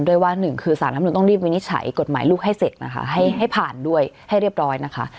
ว่าหนึ่งคือสารรัฐมนุนต้องรีบวินิจฉัยกฎหมายลูกให้เสร็จนะคะให้ผ่านด้วยให้เรียบร้อยนะคะ